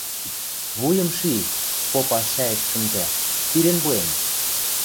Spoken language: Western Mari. — Вуйым ши, — попа «шӓйӹк сӹнзӓ», — сирен пуэм.